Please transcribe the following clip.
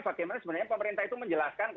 bagaimana sebenarnya pemerintah itu menjelaskan